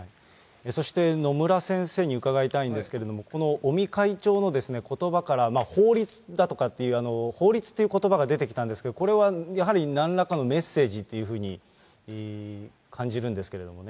そして野村先生に伺いたいと思うんですけど、この尾身会長のことばから法律だとか、法律ということばが出てきたんですけど、これはやはり、なんらかのメッセージというふうに感じるんですけ